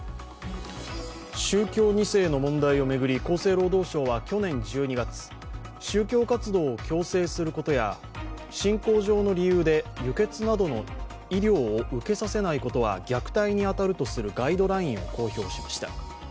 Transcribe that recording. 宗教２世の問題を巡り、厚生労働省は去年１２月宗教活動を強制することや信仰上の理由で輸血などの医療を受けさせないことは虐待に当たるとするガイドラインを公表しました。